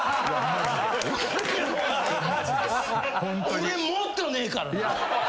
俺もっとねえからな！